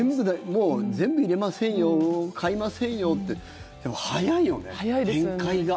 もう、全部入れませんよ買いませんよって早いよね、展開が。